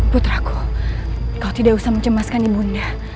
putraku kau tidak usah mencemaskan nih bunda